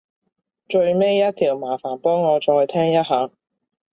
最尾一條麻煩幫我再聽一下